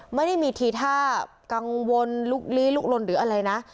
ไม่ได้มีทีท่ากังวลลุกลี้ลุกลนหรืออะไรนะ